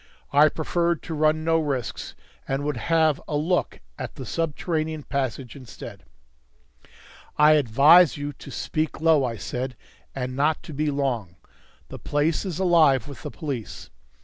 I preferred to run no risks, and would have a look at the subterranean passage instead. "I advise you to speak low," I said, "and not to be long. The place is alive with the police.